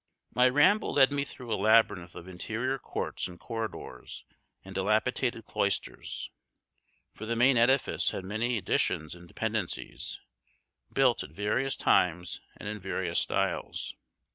My ramble led me through a labyrinth of interior courts and corridors and dilapidated cloisters, for the main edifice had many additions and dependencies, built at various times and in various styles.